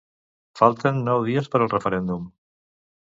Falten nou dies per al referèndum.